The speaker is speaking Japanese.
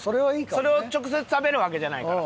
それを直接食べるわけじゃないから。